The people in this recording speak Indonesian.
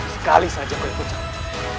sekali saja kau ikut campur